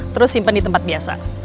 terus simpen di tempat biasa